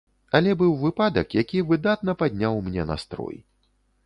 Але быў выпадак, які выдатна падняў мне настрой.